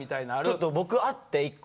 ちょっと僕あって一個。